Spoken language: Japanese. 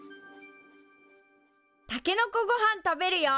たけのこごはん食べるよ。